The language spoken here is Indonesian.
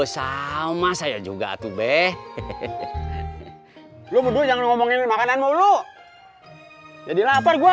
sama saya juga tuh beh hehehe lu berdua jangan ngomongin makanan mau lu jadi lapar gua